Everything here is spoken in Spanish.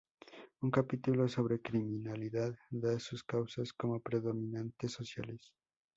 Un capítulo sobre criminalidad da sus causas como predominantemente sociales.